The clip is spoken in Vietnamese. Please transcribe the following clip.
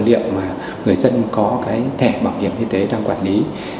liệu mà người dân có cái thẻ bảo hiểm y tế đang quản lý